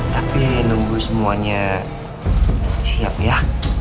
tapi nunggu semuanya siap ya